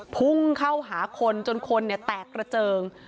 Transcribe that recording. พุ่งเข้าหาคนจนคนแตกระเจิง